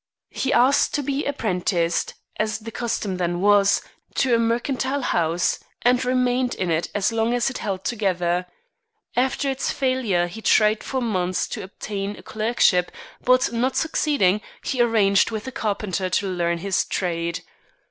He asked to be apprenticed, as the custom then was, to a mercantile house, and remained in it as long as it held together. After its failure he tried for months to obtain a clerkship, but, not succeeding, he arranged with a carpenter to learn his trade.